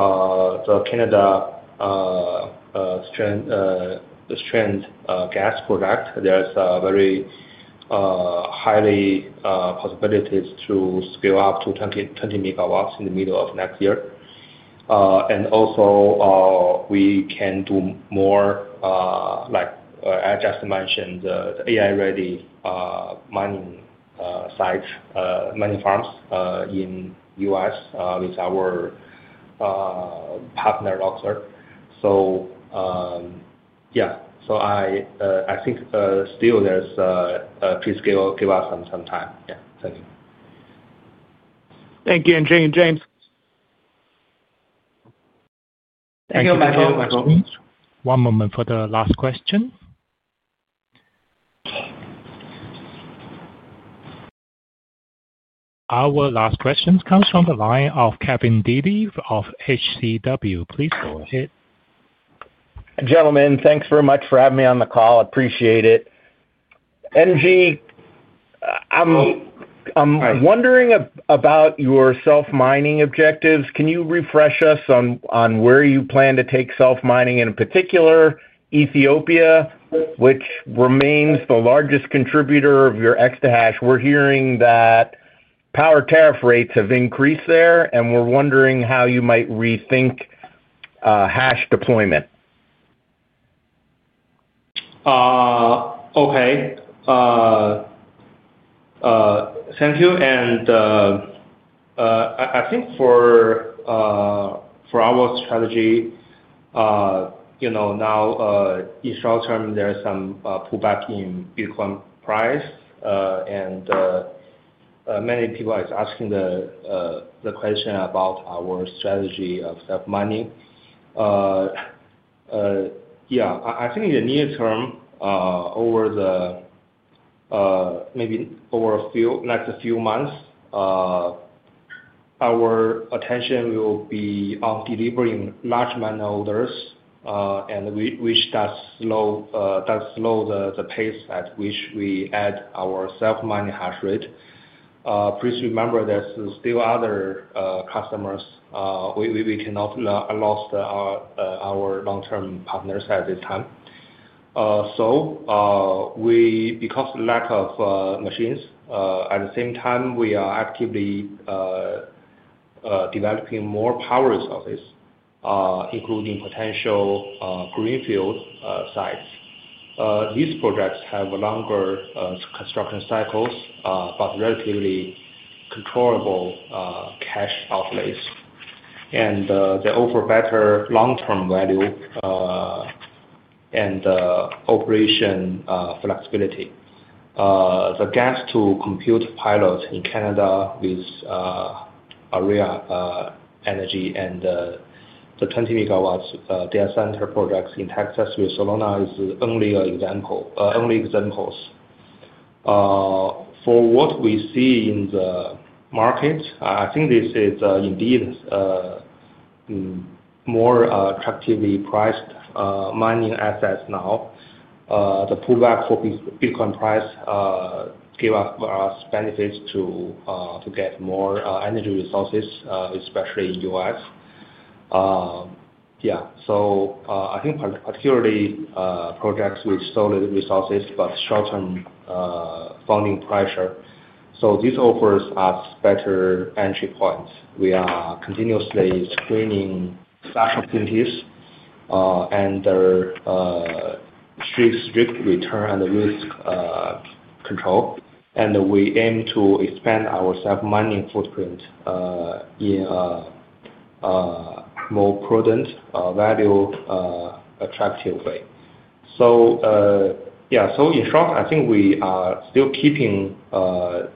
the Canada stranded gas project, there are very high possibilities to scale up to 20 MW in the middle of next year. Also, we can do more, like I just mentioned, the AI-ready mining sites, mining farms in the U.S. with our partner Luxor. So yeah. I think still there is a pre-scale. Give us some time. Yeah. Thank you. Thank you, Ng and James. Thank you, Michael. One moment for the last question. Our last questions come from the line of Kevin Dede of HCW. Please go ahead. Gentlemen, thanks very much for having me on the call. I appreciate it. Ng, I'm wondering about your self-mining objectives. Can you refresh us on where you plan to take self-mining, in particular Ethiopia, which remains the largest contributor of your exahash? We're hearing that power tariff rates have increased there, and we're wondering how you might rethink hash deployment. Okay. Thank you. I think for our strategy now, in short term, there's some pullback in Bitcoin price. Many people are asking the question about our strategy of self-mining. Yeah. I think in the near term, maybe over a few months, our attention will be on delivering large miner orders, and we start to slow the pace at which we add our self-mining hash rate. Please remember, there's still other customers. We cannot lose our long-term partners at this time. So because of lack of machines, at the same time, we are actively developing more power resources, including potential greenfield sites. These projects have longer construction cycles, but relatively controllable cash outlays. They offer better long-term value and operation flexibility. The gas-to-compute pilot in Canada with Aria Energy and the 20 MW data center projects in Texas with Soluna is only examples. For what we see in the market, I think this is indeed more attractively priced mining assets now. The pullback for Bitcoin price gave us benefits to get more energy resources, especially in the U.S. Yeah. I think particularly projects with solid resources, but short-term funding pressure. This offers us better entry points. We are continuously screening such opportunities and their strict return and risk control. We aim to expand our self-mining footprint in a more prudent, value-attractive way. In short, I think we are still keeping the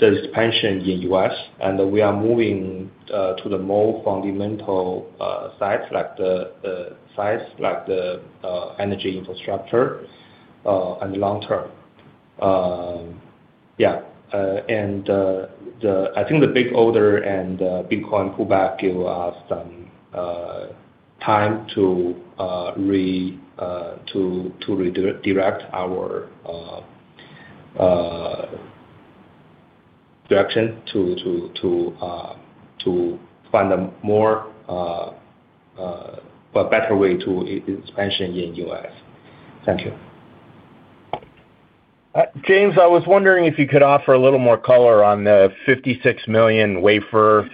expansion in the U.S., and we are moving to the more fundamental sites like the sites like the energy infrastructure in the long term. I think the big order and Bitcoin pullback gave us some time to redirect our direction to find a better way to expansion in the U.S. Thank you. James, I was wondering if you could offer a little more color on the $56 million wafer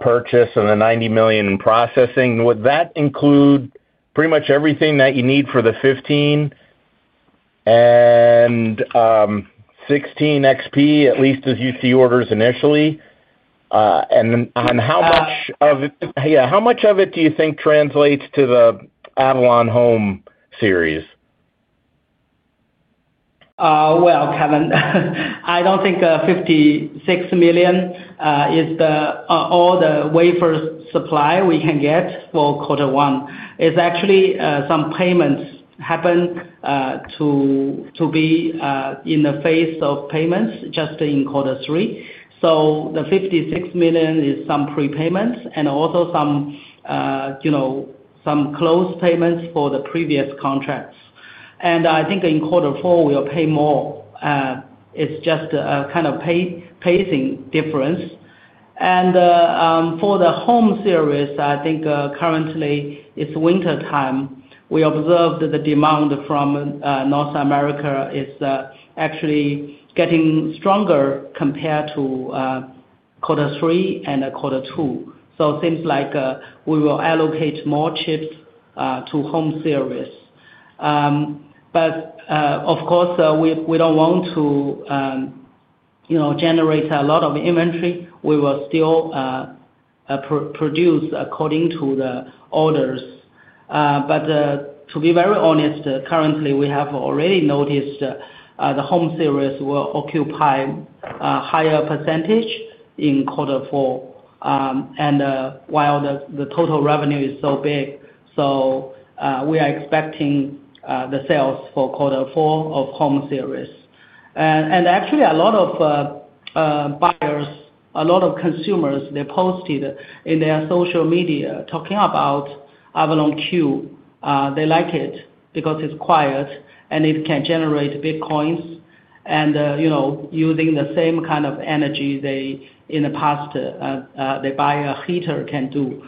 purchase and the $90 million in processing. Would that include pretty much everything that you need for the 15 and 16 XP, at least as you see orders initially? How much of it, yeah, how much of it do you think translates to the Avalon Home series? Kevin, I do not think $56 million is all the wafer supply we can get for quarter one. It is actually some payments happen to be in the phase of payments just in quarter three. The $56 million is some prepayments and also some close payments for the previous contracts. I think in quarter four, we will pay more. It is just a kind of pacing difference. For the Home series, I think currently it is wintertime. We observed the demand from North America is actually getting stronger compared to quarter three and quarter two. It seems like we will allocate more chips to Home series. Of course, we do not want to generate a lot of inventory. We will still produce according to the orders. To be very honest, currently, we have already noticed the Home series will occupy a higher percentage in quarter four. While the total revenue is so big, we are expecting the sales for quarter four of Home series. Actually, a lot of buyers, a lot of consumers, they posted in their social media talking about Avalon Q. They like it because it is quiet and it can generate Bitcoins. Using the same kind of energy in the past, they buy a heater can do.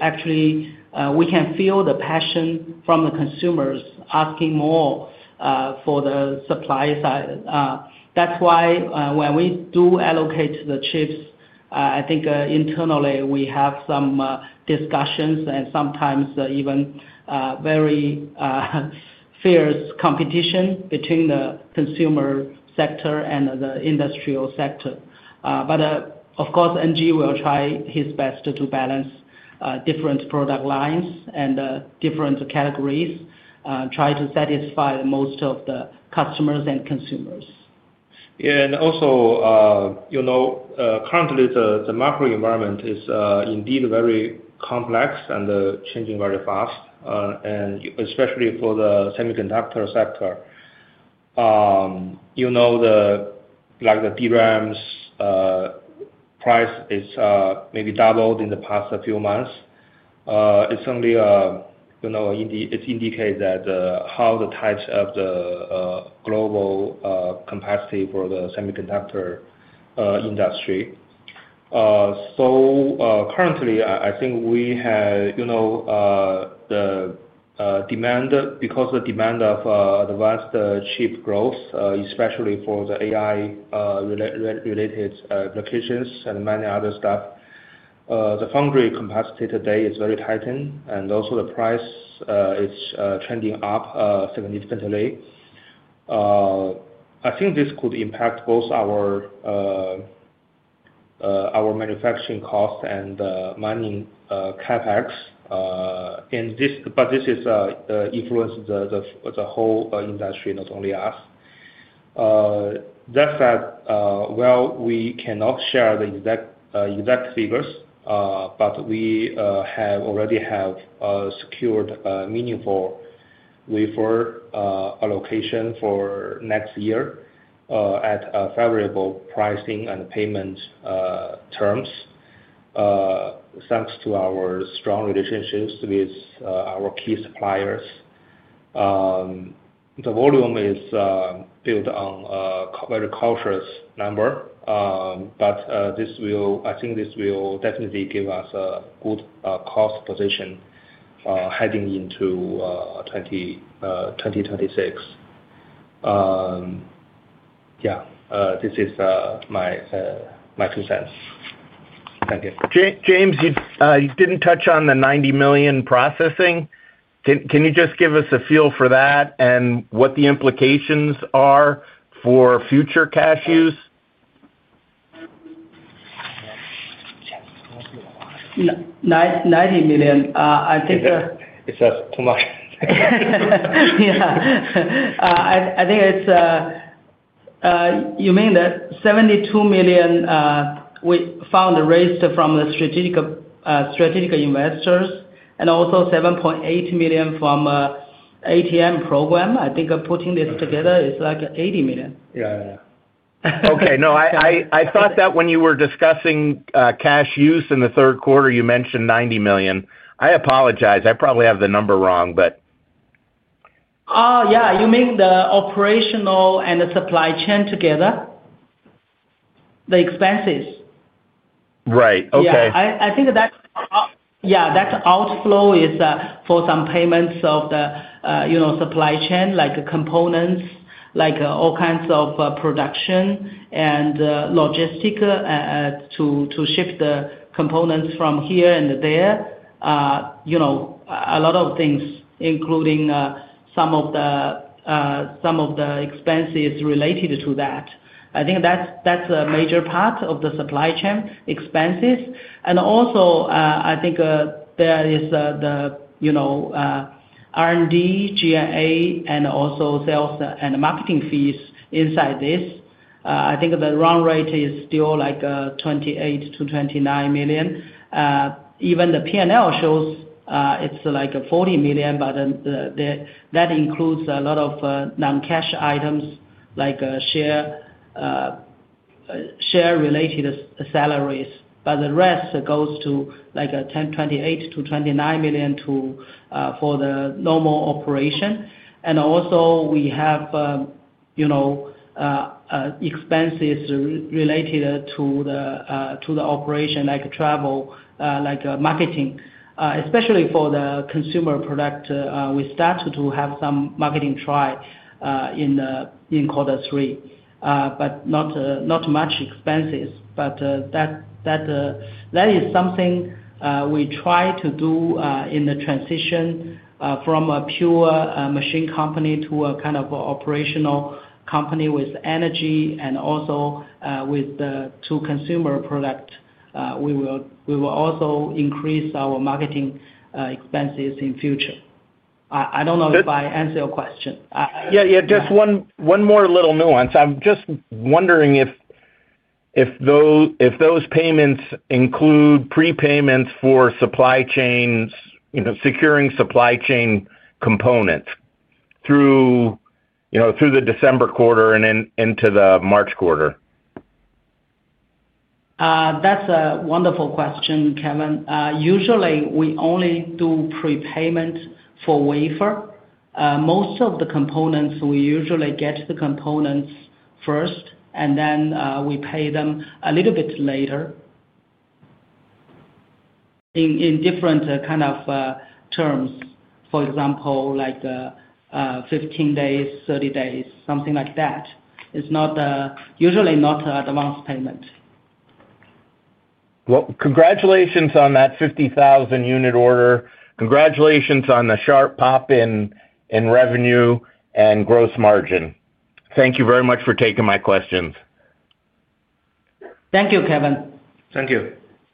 Actually, we can feel the passion from the consumers asking more for the supply side. That's why when we do allocate the chips, I think internally we have some discussions and sometimes even very fierce competition between the consumer sector and the industrial sector. Of course, Ng will try his best to balance different product lines and different categories, try to satisfy most of the customers and consumers. Yeah. Also, currently, the macro environment is indeed very complex and changing very fast, especially for the semiconductor sector. Like the DRAMs price is maybe doubled in the past few months. It only indicated how the types of the global capacity for the semiconductor industry. Currently, I think we have the demand because of the demand of advanced chip growth, especially for the AI-related applications and many other stuff. The foundry capacity today is very tight, and also the price is trending up significantly. I think this could impact both our manufacturing costs and mining CapEx. This is influencing the whole industry, not only us. That said, we cannot share the exact figures, but we already have secured meaningful wafer allocation for next year at favorable pricing and payment terms thanks to our strong relationships with our key suppliers. The volume is built on a very cautious number, but I think this will definitely give us a good cost position heading into 2026. Yeah. This is my consent. Thank you. James, you did not touch on the $90 million processing. Can you just give us a feel for that and what the implications are for future cash use? $90 million. I think it is too much. Yeah. I think you mean that $72 million we fundraised from the strategic investors and also $7.8 million from the ATM program. I think putting this together is like $80 million. Yeah. Yeah. Okay. No, I thought that when you were discussing cash use in the third quarter, you mentioned $90 million. I apologize. I probably have the number wrong, but. Yeah. You mean the operational and the supply chain together, the expenses? Right. Okay. Yeah. I think that yeah, that outflow is for some payments of the supply chain, like components, like all kinds of production and logistics to ship the components from here and there. A lot of things, including some of the expenses related to that. I think that's a major part of the supply chain expenses. And also, I think there is the R&D, G&A, and also sales and marketing fees inside this. I think the run rate is still like $28 million-$29 million. Even the P&L shows it's like $40 million, but that includes a lot of non-cash items like share-related salaries. The rest goes to like $28 million-$29 million for the normal operation. Also, we have expenses related to the operation, like travel, like marketing, especially for the consumer product. We started to have some marketing try in quarter three, but not much expenses. That is something we try to do in the transition from a pure machine company to a kind of operational company with energy and also with the two consumer product. We will also increase our marketing expenses in future. I don't know if I answered your question. Yeah. Yeah. Just one more little nuance. I'm just wondering if those payments include prepayments for supply chains, securing supply chain components through the December quarter and into the March quarter. That's a wonderful question, Kevin. Usually, we only do prepayment for wafer. Most of the components, we usually get the components first, and then we pay them a little bit later in different kind of terms. For example, like 15 days, 30 days, something like that. It's usually not advanced payment. Congratulations on that 50,000 unit order. Congratulations on the sharp pop in revenue and gross margin. Thank you very much for taking my questions. Thank you, Kevin. Thank you.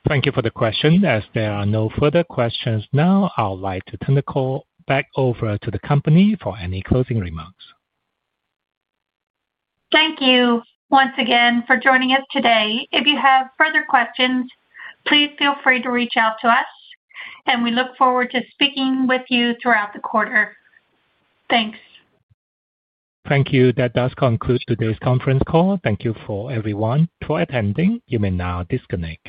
Thank you for the question. As there are no further questions now, I'd like to turn the call back over to the company for any closing remarks. Thank you once again for joining us today. If you have further questions, please feel free to reach out to us, and we look forward to speaking with you throughout the quarter. Thanks. Thank you. That does conclude today's conference call. Thank you everyone for attending. You may now disconnect.